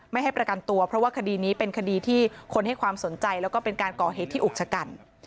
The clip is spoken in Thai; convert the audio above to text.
ไม่ให้ประกันตัวเพราะว่าคดีนี้เป็นคดีที่คนให้ความสนใจแล้วก็เป็นการก่อเหตุที่อุกชะกัน